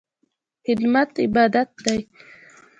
خدمت عبادت دی